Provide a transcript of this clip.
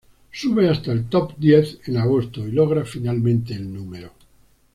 Sube hasta el Top Diez en agosto y logra finalmente el núm.